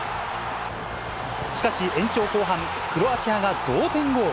しかし延長後半、クロアチアが同点ゴール。